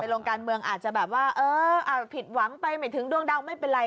ลงการเมืองอาจจะแบบว่าเออผิดหวังไปไม่ถึงดวงดาวไม่เป็นไร